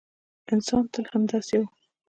انسان تل همداسې و.